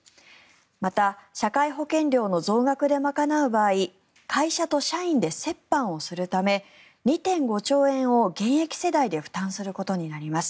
また社会保険料の増額で賄う場合会社と社員で折半をするため２．５兆円を現役世代で負担することになります。